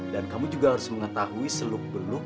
kamu juga harus mengetahui seluk beluk